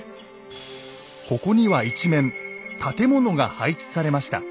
ここには一面建物が配置されました。